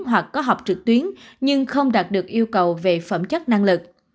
hoặc có học trực tuyến nhưng không đạt được yêu cầu về phẩm chất năng lực